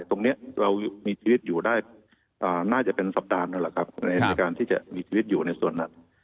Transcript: ตรงนี้เรามีชีวิตอยู่ได้น่าจะเป็นสัปดาห์นั่นแหละครับในการที่จะมีชีวิตอยู่ในส่วนนั้น